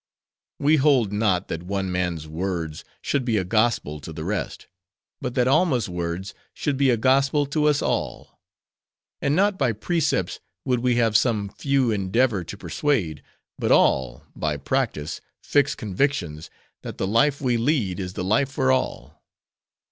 "We hold not, that one man's words should be a gospel to the rest; but that Alma's words should be a gospel to us all. And not by precepts would we have some few endeavor to persuade; but all, by practice, fix convictions, that the life we lead is the life for all.